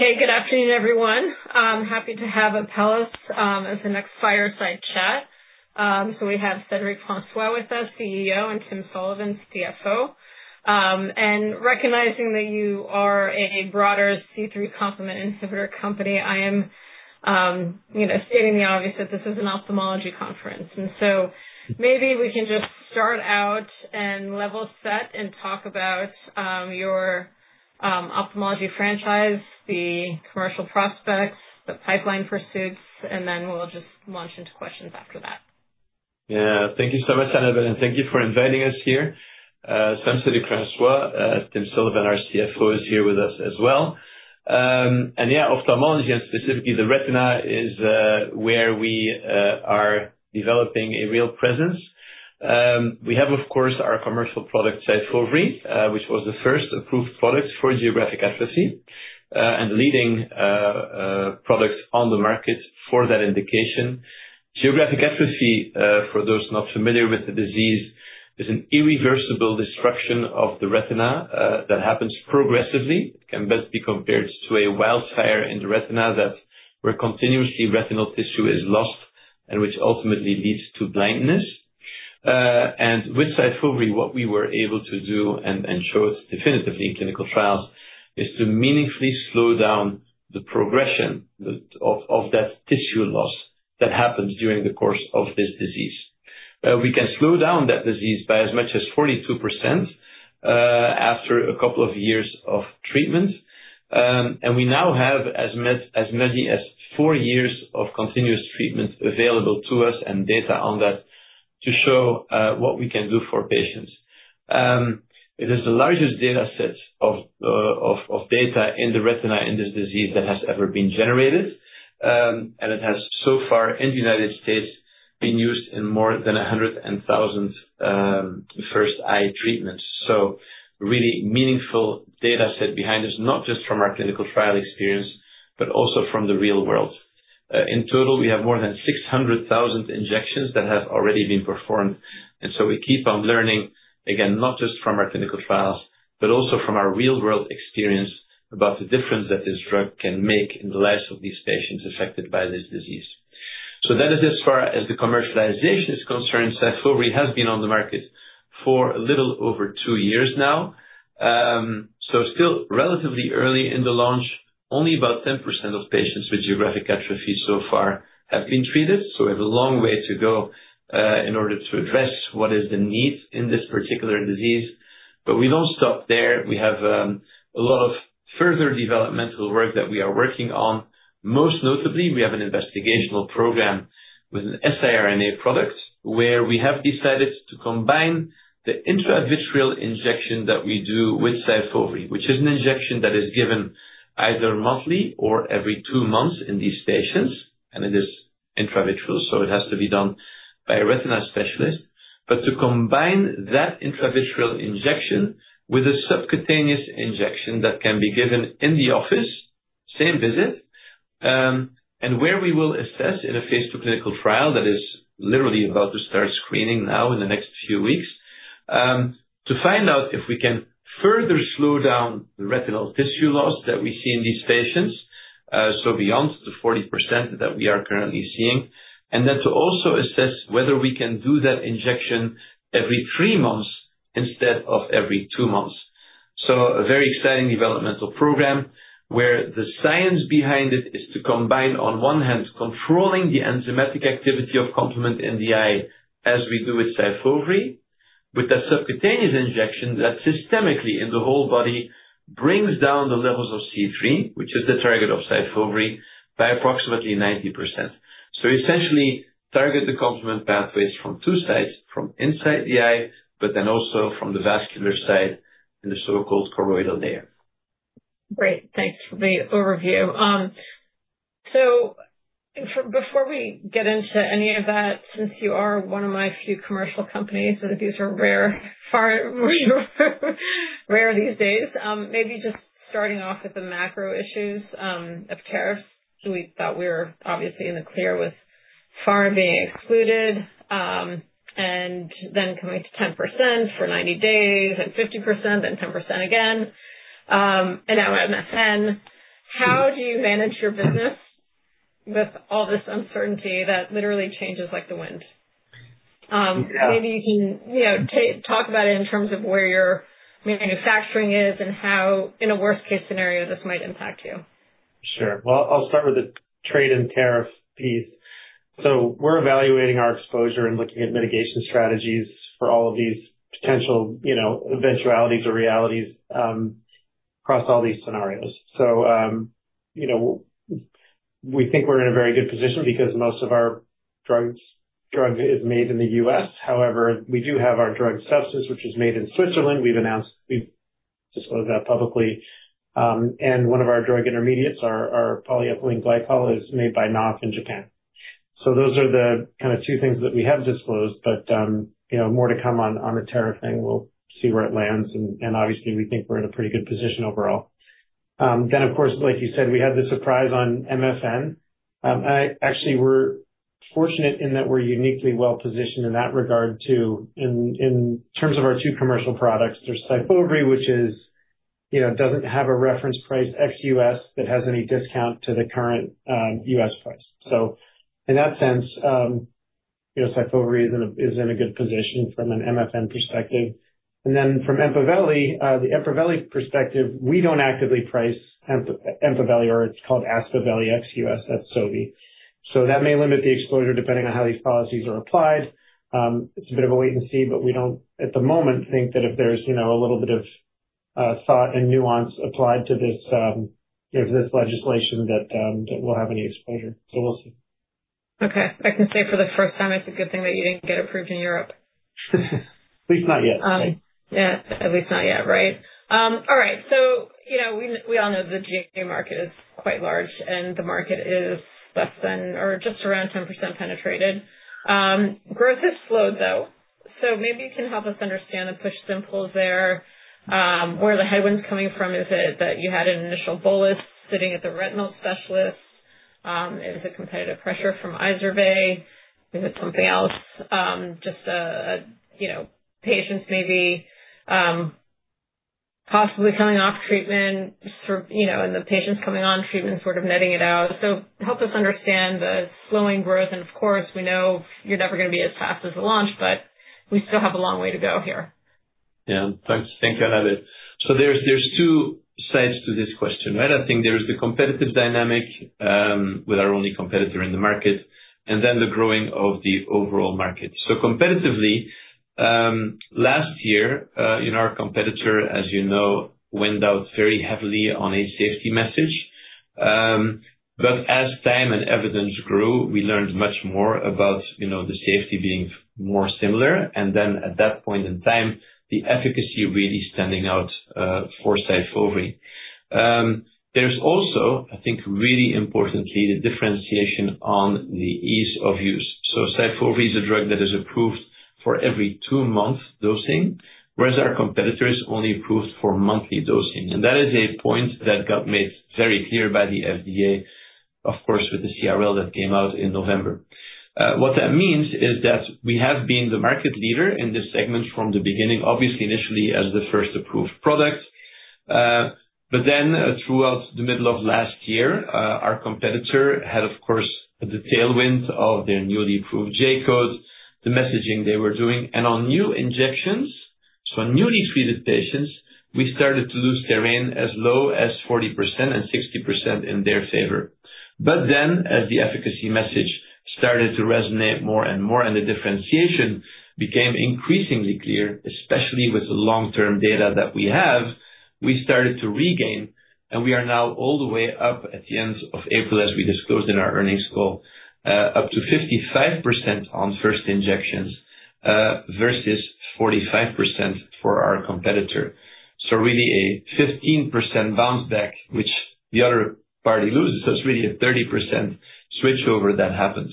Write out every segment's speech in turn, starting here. Hey, good afternoon, everyone. I'm happy to have Apellis as the next fireside chat. We have Cedric Francois with us, CEO, and Tim Sullivan, CFO. Recognizing that you are a broader C3 complement inhibitor company, I am stating the obvious that this is an ophthalmology conference. Maybe we can just start out and level set and talk about your ophthalmology franchise, the commercial prospects, the pipeline pursuits, and then we'll just launch into questions after that. Yeah, thank you so much, Annabel, and thank you for inviting us here. Same to you, Francois. Tim Sullivan, our CFO, is here with us as well. Yeah, ophthalmology, and specifically the retina, is where we are developing a real presence. We have, of course, our commercial product SYFOVRE, which was the first approved product for geographic atrophy and the leading product on the market for that indication. Geographic atrophy, for those not familiar with the disease, is an irreversible destruction of the retina that happens progressively. It can best be compared to a wildfire in the retina where continuously retinal tissue is lost and which ultimately leads to blindness. With SYFOVRE, what we were able to do and show it definitively in clinical trials is to meaningfully slow down the progression of that tissue loss that happens during the course of this disease. We can slow down that disease by as much as 42% after a couple of years of treatment. We now have as many as four years of continuous treatment available to us and data on that to show what we can do for patients. It is the largest data set of data in the retina in this disease that has ever been generated. It has so far in the United States been used in more than 100,000 first eye treatments. Really meaningful data set behind us, not just from our clinical trial experience, but also from the real world. In total, we have more than 600,000 injections that have already been performed. We keep on learning, again, not just from our clinical trials, but also from our real-world experience about the difference that this drug can make in the lives of these patients affected by this disease. That is as far as the commercialization is concerned. SYFOVRE has been on the market for a little over two years now. Still relatively early in the launch, only about 10% of patients with geographic atrophy so far have been treated. We have a long way to go in order to address what is the need in this particular disease. We do not stop there. We have a lot of further developmental work that we are working on. Most notably, we have an investigational program with an siRNA product where we have decided to combine the intravitreal injection that we do with SYFOVRE, which is an injection that is given either monthly or every two months in these patients. It is intravitreal, so it has to be done by a retina specialist. To combine that intravitreal injection with a subcutaneous injection that can be given in the office, same visit, we will assess in a phase two clinical trial that is literally about to start screening now in the next few weeks, to find out if we can further slow down the retinal tissue loss that we see in these patients, so beyond the 40% that we are currently seeing. We will also assess whether we can do that injection every three months instead of every two months. A very exciting developmental program where the science behind it is to combine, on one hand, controlling the enzymatic activity of complement in the eye as we do with SYFOVRE with that subcutaneous injection that systemically in the whole body brings down the levels of C3, which is the target of SYFOVRE, by approximately 90%. Essentially target the complement pathways from two sides, from inside the eye, but then also from the vascular side in the so-called choroidal layer. Great. Thanks for the overview. Before we get into any of that, since you are one of my few commercial companies, these are rare, rare these days, maybe just starting off with the macro issues of tariffs. We thought we were obviously in the clear with pharma being excluded and then coming to 10% for 90 days and 50%, then 10% again, and now MSN. How do you manage your business with all this uncertainty that literally changes like the wind? Maybe you can talk about it in terms of where your manufacturing is and how, in a worst-case scenario, this might impact you. Sure. I'll start with the trade and tariff piece. We're evaluating our exposure and looking at mitigation strategies for all of these potential eventualities or realities across all these scenarios. We think we're in a very good position because most of our drug is made in the U.S.. However, we do have our drug substance, which is made in Switzerland. We've disclosed that publicly. One of our drug intermediates, our polyethylene glycol, is made by NOF in Japan. Those are the two things that we have disclosed, but more to come on the tariff thing. We'll see where it lands. Obviously, we think we're in a pretty good position overall. Of course, like you said, we had the surprise on MFN. Actually, we're fortunate in that we're uniquely well-positioned in that regard too, in terms of our two commercial products. There's SYFOVRE, which doesn't have a reference price ex-U.S. that has any discount to the current U.S. price. In that sense, SYFOVRE is in a good position from an MFN perspective. And then from Empaveli, the Empaveli perspective, we don't actively price Empaveli, or it's called Aspaveli ex-U.S.. That's SYFOVRE. That may limit the exposure depending on how these policies are applied. It's a bit of a wait and see, but we don't, at the moment, think that if there's a little bit of thought and nuance applied to this legislation, that we'll have any exposure. We'll see. Okay. I can say for the first time, it's a good thing that you didn't get approved in Europe. At least not yet. Yeah, at least not yet, right? All right. We all know the GA market is quite large, and the market is less than or just around 10% penetrated. Growth has slowed, though. Maybe you can help us understand the push and pulls there. Where are the headwinds coming from? Is it that you had an initial bolus sitting at the retinal specialist? Is it competitive pressure from Izervay? Is it something else? Just patients maybe possibly coming off treatment and the patients coming on treatment, sort of netting it out. Help us understand the slowing growth. Of course, we know you're never going to be as fast as the launch, but we still have a long way to go here. Yeah. Thank you, Annabelle. There are two sides to this question, right? I think there's the competitive dynamic with our only competitor in the market, and then the growing of the overall market. Competitively, last year, our competitor, as you know, went out very heavily on a safety message. As time and evidence grew, we learned much more about the safety being more similar. At that point in time, the efficacy really stood out for SYFOVRE. There's also, I think really importantly, the differentiation on the ease of use. SYFOVRE is a drug that is approved for every two-month dosing, whereas our competitor is only approved for monthly dosing. That is a point that got made very clear by the FDA, of course, with the Complete Response Letter that came out in November. What that means is that we have been the market leader in this segment from the beginning, obviously initially as the first approved product. Throughout the middle of last year, our competitor had, of course, the tailwind of their newly approved J codes, the messaging they were doing. On new injections, so on newly treated patients, we started to lose terrain as low as 40% and 60% in their favor. As the efficacy message started to resonate more and more and the differentiation became increasingly clear, especially with the long-term data that we have, we started to regain. We are now all the way up at the end of April, as we disclosed in our earnings call, up to 55% on first injections versus 45% for our competitor. Really a 15% bounce back, which the other party loses. It's really a 30% switchover that happened.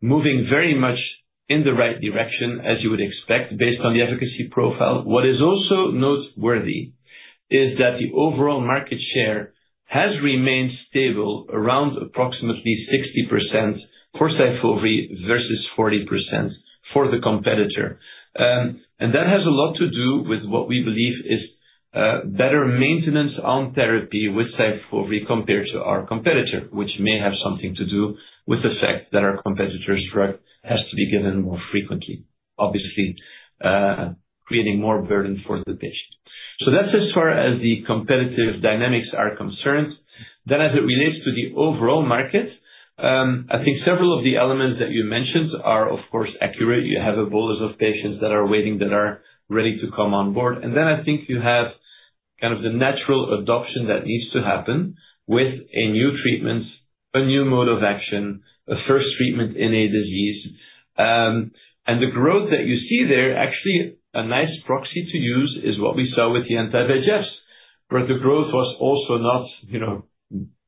Moving very much in the right direction, as you would expect, based on the efficacy profile. What is also noteworthy is that the overall market share has remained stable around approximately 60% for SYFOVRE versus 40% for the competitor. That has a lot to do with what we believe is better maintenance on therapy with SYFOVRE compared to our competitor, which may have something to do with the fact that our competitor's drug has to be given more frequently, obviously creating more burden for the patient. As far as the competitive dynamics are concerned, as it relates to the overall market, I think several of the elements that you mentioned are, of course, accurate. You have a bolus of patients that are waiting that are ready to come on board. I think you have kind of the natural adoption that needs to happen with a new treatment, a new mode of action, a first treatment in a disease. The growth that you see there, actually a nice proxy to use is what we saw with the anti-VEGFs, where the growth was also not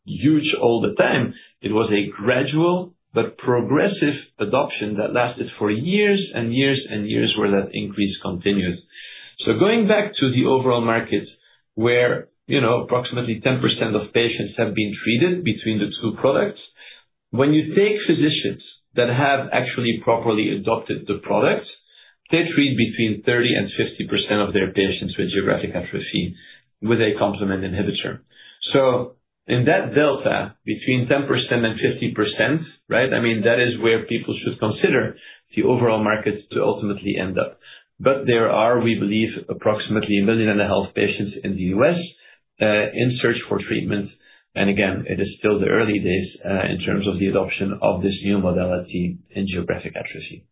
huge all the time. It was a gradual but progressive adoption that lasted for years and years and years where that increase continued. Going back to the overall market, where approximately 10% of patients have been treated between the two products, when you take physicians that have actually properly adopted the product, they treat between 30-50% of their patients with geographic atrophy with a complement inhibitor. In that delta between 10% and 50%, right, I mean, that is where people should consider the overall market to ultimately end up. There are, we believe, approximately 1.5 million patients in the U.S. in search for treatment. Again, it is still the early days in terms of the adoption of this new modality in geographic atrophy.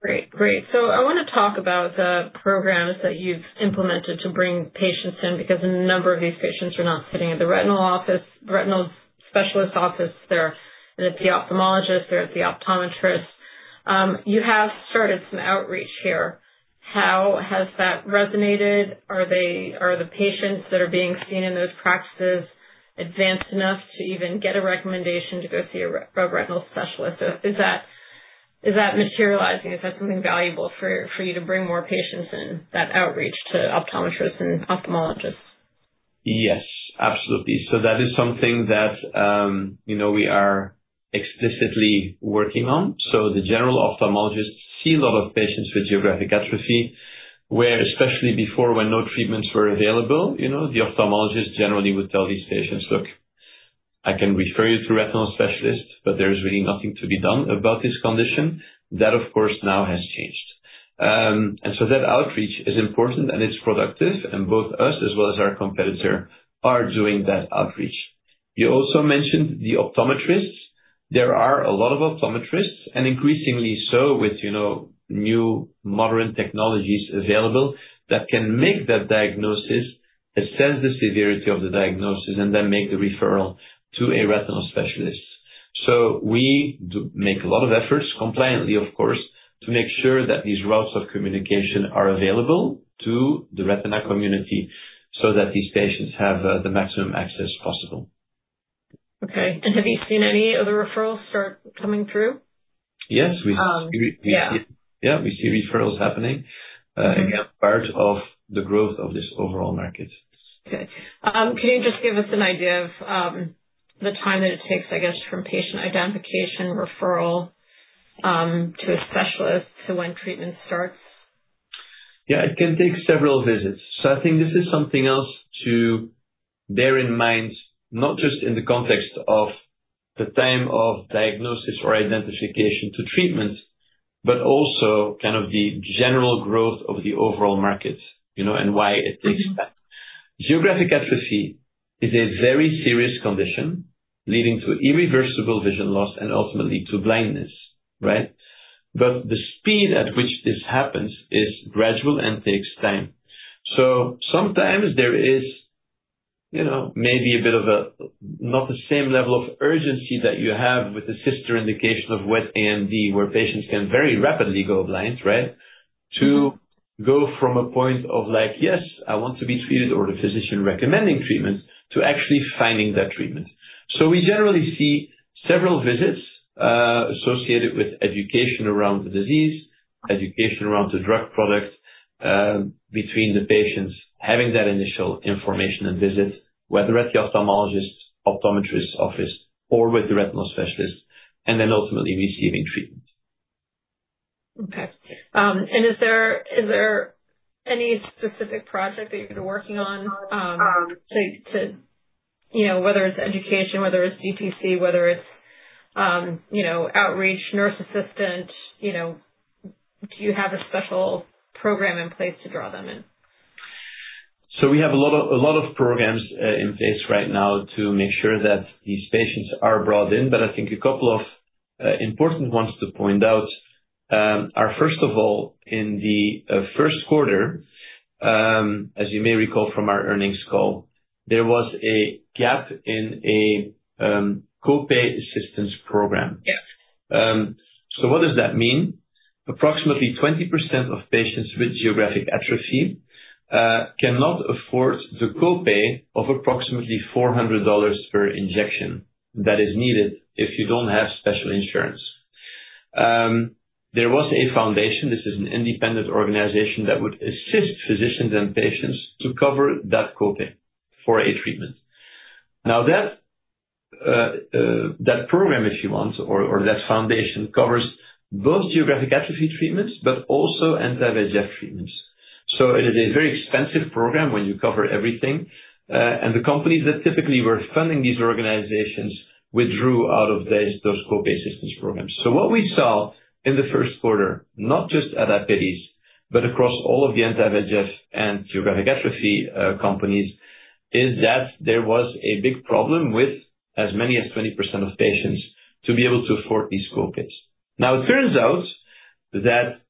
Great. Great. I want to talk about the programs that you've implemented to bring patients in because a number of these patients are not sitting at the retinal specialist office. They're at the ophthalmologist. They're at the optometrist. You have started some outreach here. How has that resonated? Are the patients that are being seen in those practices advanced enough to even get a recommendation to go see a retinal specialist? Is that materializing? Is that something valuable for you to bring more patients in, that outreach to optometrists and ophthalmologists? Yes, absolutely. That is something that we are explicitly working on. The general ophthalmologists see a lot of patients with geographic atrophy, where especially before when no treatments were available, the ophthalmologist generally would tell these patients, "Look, I can refer you to a retinal specialist, but there is really nothing to be done about this condition." That, of course, now has changed. That outreach is important and it is productive. Both us as well as our competitor are doing that outreach. You also mentioned the optometrists. There are a lot of optometrists, and increasingly so with new modern technologies available that can make that diagnosis, assess the severity of the diagnosis, and then make the referral to a retinal specialist. We make a lot of efforts, compliantly, of course, to make sure that these routes of communication are available to the retina community so that these patients have the maximum access possible. Okay. Have you seen any of the referrals start coming through? Yes, we see referrals happening as part of the growth of this overall market. Okay. Can you just give us an idea of the time that it takes, I guess, from patient identification, referral to a specialist to when treatment starts? Yeah, it can take several visits. I think this is something else to bear in mind, not just in the context of the time of diagnosis or identification to treatment, but also kind of the general growth of the overall market and why it takes time. Geographic atrophy is a very serious condition leading to irreversible vision loss and ultimately to blindness, right? The speed at which this happens is gradual and takes time. Sometimes there is maybe a bit of a not the same level of urgency that you have with the sister indication of wet AMD, where patients can very rapidly go blind, right, to go from a point of like, "Yes, I want to be treated," or the physician recommending treatment to actually finding that treatment. We generally see several visits associated with education around the disease, education around the drug product between the patients having that initial information and visit, whether at the ophthalmologist's, optometrist's office or with the retinal specialist, and then ultimately receiving treatment. Okay. Is there any specific project that you're working on, whether it's education, whether it's DTC, whether it's outreach, nurse assistant? Do you have a special program in place to draw them in? We have a lot of programs in place right now to make sure that these patients are brought in. I think a couple of important ones to point out are, first of all, in the first quarter, as you may recall from our earnings call, there was a gap in a copay assistance program. What does that mean? Approximately 20% of patients with geographic atrophy cannot afford the copay of approximately $400 per injection that is needed if you do not have special insurance. There was a foundation. This is an independent organization that would assist physicians and patients to cover that copay for a treatment. That program, if you want, or that foundation covers both geographic atrophy treatments, but also anti-VEGF treatments. It is a very expensive program when you cover everything. The companies that typically were funding these organizations withdrew out of those copay assistance programs. What we saw in the first quarter, not just at Apellis, but across all of the anti-VEGF and geographic atrophy companies, is that there was a big problem with as many as 20% of patients to be able to afford these copays. It turns out that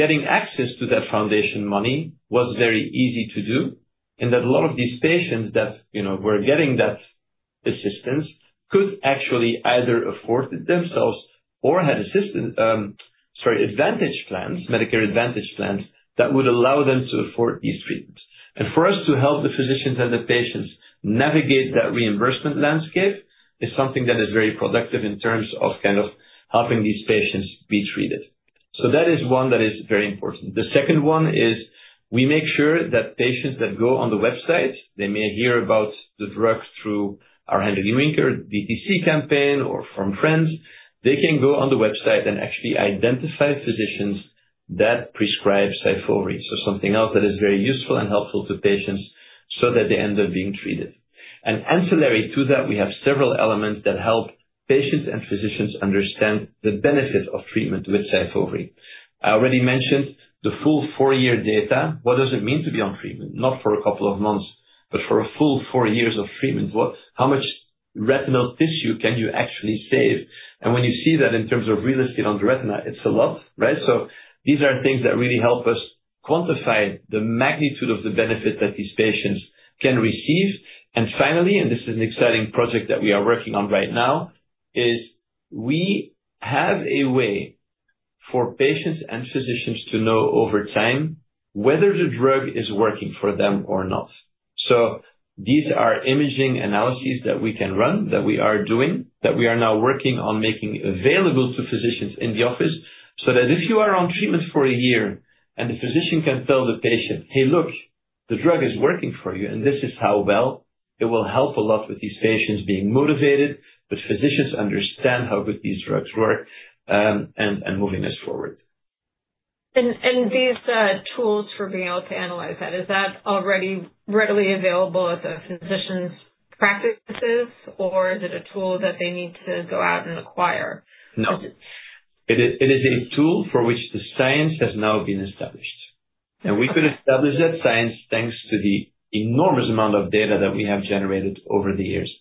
getting access to that foundation money was very easy to do, and that a lot of these patients that were getting that assistance could actually either afford themselves or had, sorry, advantage plans, Medicare Advantage plans that would allow them to afford these treatments. For us to help the physicians and the patients navigate that reimbursement landscape is something that is very productive in terms of kind of helping these patients be treated. That is one that is very important. The second one is we make sure that patients that go on the websites, they may hear about the drug through our Handling Winker, DTC campaign, or from friends. They can go on the website and actually identify physicians that prescribe SYFOVRE. Something else that is very useful and helpful to patients so that they end up being treated. Ancillary to that, we have several elements that help patients and physicians understand the benefit of treatment with SYFOVRE. I already mentioned the full four-year data. What does it mean to be on treatment? Not for a couple of months, but for a full four years of treatment. How much retinal tissue can you actually save? When you see that in terms of real estate on the retina, it's a lot, right? These are things that really help us quantify the magnitude of the benefit that these patients can receive. Finally, and this is an exciting project that we are working on right now, we have a way for patients and physicians to know over time whether the drug is working for them or not. These are imaging analyses that we can run that we are doing, that we are now working on making available to physicians in the office so that if you are on treatment for a year and the physician can tell the patient, "Hey, look, the drug is working for you, and this is how well it will help a lot with these patients being motivated," but physicians understand how good these drugs work and moving us forward. Are these tools for being able to analyze that already readily available at the physician's practices, or is it a tool that they need to go out and acquire? No. It is a tool for which the science has now been established. We could establish that science thanks to the enormous amount of data that we have generated over the years.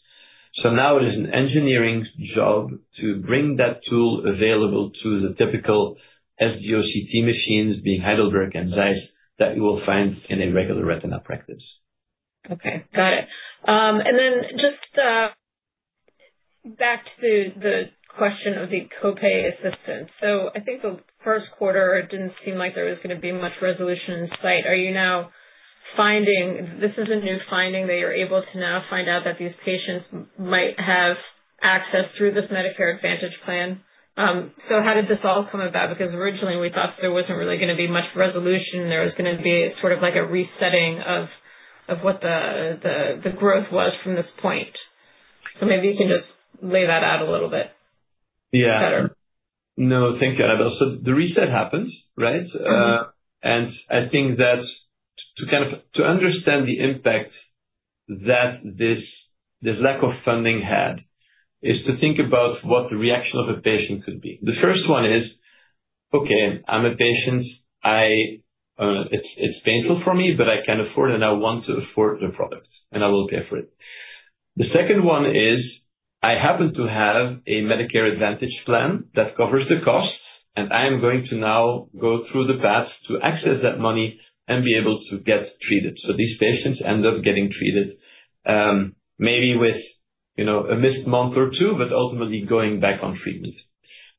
Now it is an engineering job to bring that tool available to the typical SDOCT machines, being Heidelberg and Zeiss, that you will find in a regular retina practice. Okay. Got it. Just back to the question of the copay assistance. I think the first quarter did not seem like there was going to be much resolution in sight. Are you now finding this is a new finding, that you are able to now find out that these patients might have access through this Medicare Advantage plan? How did this all come about? Because originally we thought there was not really going to be much resolution. There was going to be sort of like a resetting of what the growth was from this point. Maybe you can just lay that out a little bit better. Yeah. No, thank you, Annabel. The reset happens, right? I think that to kind of understand the impact that this lack of funding had is to think about what the reaction of a patient could be. The first one is, "Okay, I'm a patient. It's painful for me, but I can afford and I want to afford the product, and I will pay for it." The second one is, "I happen to have a Medicare Advantage plan that covers the costs, and I am going to now go through the paths to access that money and be able to get treated." These patients end up getting treated maybe with a missed month or two, but ultimately going back on treatment.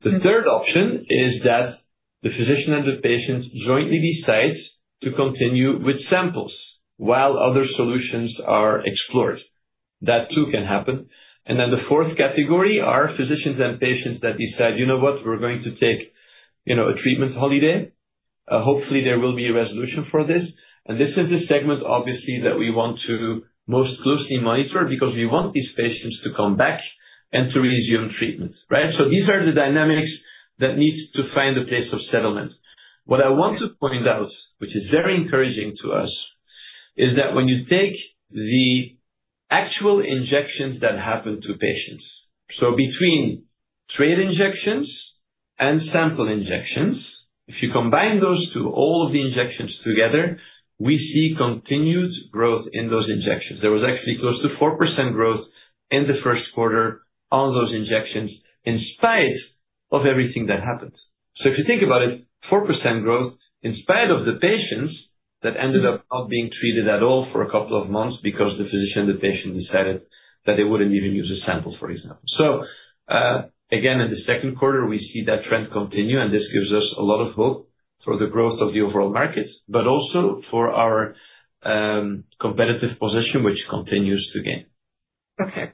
The third option is that the physician and the patient jointly decide to continue with samples while other solutions are explored. That too can happen. The fourth category are physicians and patients that decide, "You know what? We're going to take a treatment holiday. Hopefully, there will be a resolution for this." This is the segment, obviously, that we want to most closely monitor because we want these patients to come back and to resume treatment, right? These are the dynamics that need to find a place of settlement. What I want to point out, which is very encouraging to us, is that when you take the actual injections that happen to patients, so between treat injections and sample injections, if you combine those two, all of the injections together, we see continued growth in those injections. There was actually close to 4% growth in the first quarter on those injections in spite of everything that happened. If you think about it, 4% growth in spite of the patients that ended up not being treated at all for a couple of months because the physician and the patient decided that they would not even use a sample, for example. Again, in the second quarter, we see that trend continue, and this gives us a lot of hope for the growth of the overall market, but also for our competitive position, which continues to gain. Okay.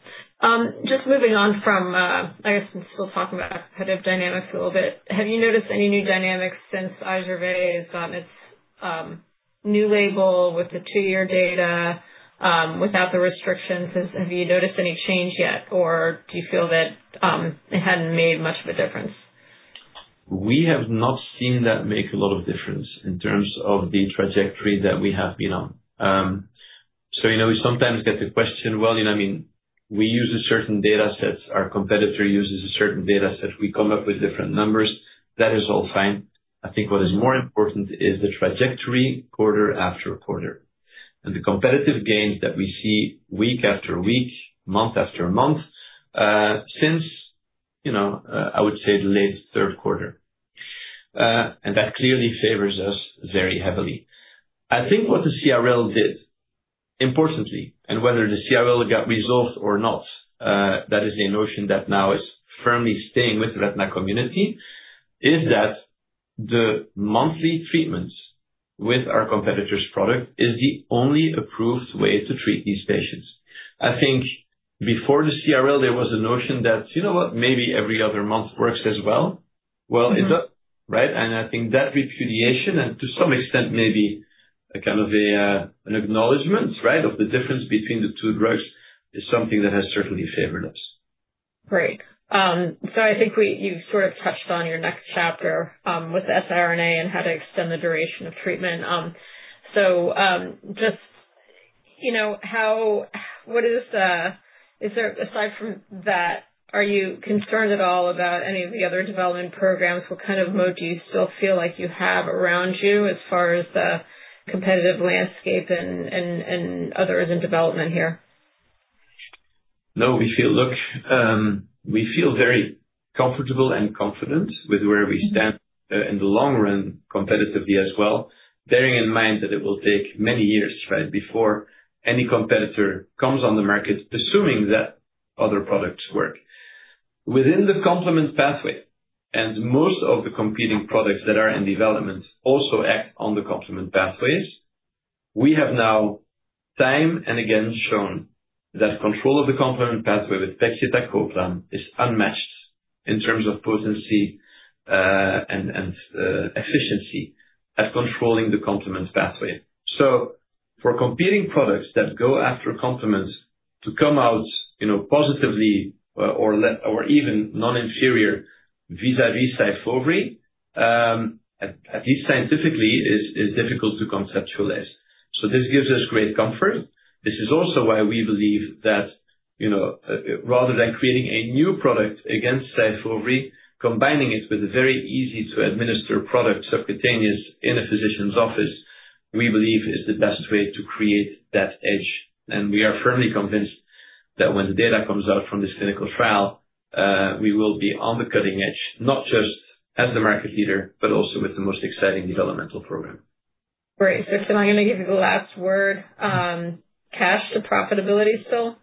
Just moving on from, I guess, still talking about competitive dynamics a little bit, have you noticed any new dynamics since Izervay has gotten its new label with the two-year data without the restrictions? Have you noticed any change yet, or do you feel that it hadn't made much of a difference? We have not seen that make a lot of difference in terms of the trajectory that we have been on. We sometimes get the question, "I mean, we use a certain data set. Our competitor uses a certain data set. We come up with different numbers." That is all fine. I think what is more important is the trajectory quarter after quarter. The competitive gains that we see week after week, month after month, since I would say the late third quarter, clearly favor us very heavily. I think what the Complete Response Letter did, importantly, and whether the Complete Response Letter got resolved or not, that is a notion that now is firmly staying with the retina community, is that the monthly treatments with our competitor's product is the only approved way to treat these patients. I think before the CRL, there was a notion that, "You know what? Maybe every other month works as well." It does, right? I think that repudiation, and to some extent, maybe kind of an acknowledgment, right, of the difference between the two drugs is something that has certainly favored us. Great. I think you've sort of touched on your next chapter with the SiRNA and how to extend the duration of treatment. Just what is, aside from that, are you concerned at all about any of the other development programs? What kind of moat do you still feel like you have around you as far as the competitive landscape and others in development here? No, we feel very comfortable and confident with where we stand in the long run competitively as well, bearing in mind that it will take many years, right, before any competitor comes on the market, assuming that other products work. Within the complement pathway, and most of the competing products that are in development also act on the complement pathway, we have now time and again shown that control of the complement pathway with pegcetacoplan is unmatched in terms of potency and efficiency at controlling the complement pathway. For competing products that go after complement to come out positively or even non-inferior vis-à-vis SYFOVRE, at least scientifically, is difficult to conceptualize. This gives us great comfort. This is also why we believe that rather than creating a new product against Izervay, combining it with a very easy-to-administer product subcutaneous in a physician's office, we believe is the best way to create that edge. We are firmly convinced that when the data comes out from this clinical trial, we will be on the cutting edge, not just as the market leader, but also with the most exciting developmental program. Great. So I'm going to give you the last word. Cash to profitability still?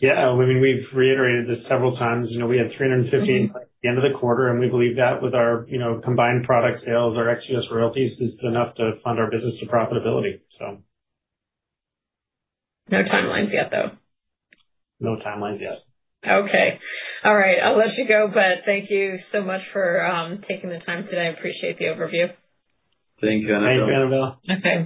Yeah. I mean, we've reiterated this several times. We had $350 million at the end of the quarter, and we believe that with our combined product sales, our excess royalties, it's enough to fund our business to profitability, so. No timelines yet, though. No timelines yet. Okay. All right. I'll let you go, but thank you so much for taking the time today. I appreciate the overview. Thank you, Annabelle. Thank you, Annabelle. Okay.